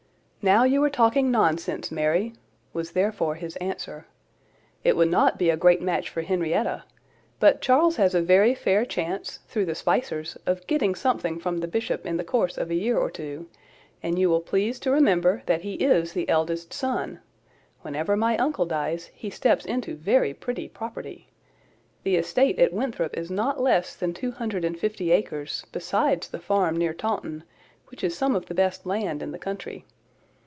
"Now you are talking nonsense, Mary," was therefore his answer. "It would not be a great match for Henrietta, but Charles has a very fair chance, through the Spicers, of getting something from the Bishop in the course of a year or two; and you will please to remember, that he is the eldest son; whenever my uncle dies, he steps into very pretty property. The estate at Winthrop is not less than two hundred and fifty acres, besides the farm near Taunton, which is some of the best land in the country.